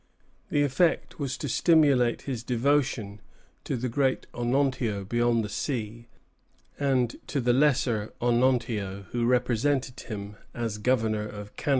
The effect was to stimulate his devotion to the Great Onontio beyond the sea, and to the lesser Onontio who represented him as Governor of Canada.